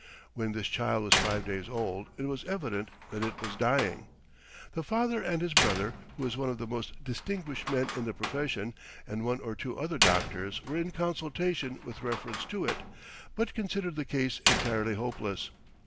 When this child was five days old it was evident that it was dying. The father and his brother, who is one of the most distinguished men in the profession, and one or two other doctors were in consultation with reference to it, but considered the case entirely hopeless.